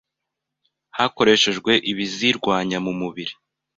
hakoreshejwe ibizirwanya mu mubiri